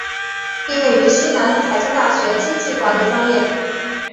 毕业于西南财经大学经济管理专业。